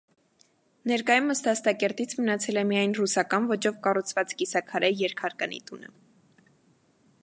Ներկայումս դաստակերտից մնացել է միայն «ռուսական» ոճով կառուցված կիսաքարե երկհարկանի տունը։